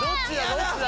どっちだ？